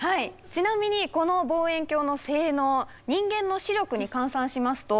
ちなみにこの望遠鏡の性能人間の視力に換算しますと６，０００。